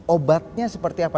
obatnya seperti apa